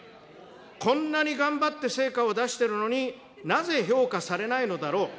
こんなに頑張って成果を出してるのに、なぜ評価されないのだろう。